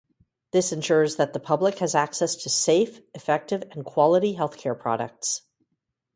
This ensures that the public has access to safe, effective, and quality healthcare products.